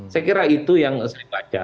saya kira itu yang saya baca